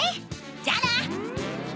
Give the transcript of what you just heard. じゃあな！